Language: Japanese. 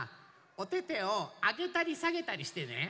おててをあげたりさげたりしてね。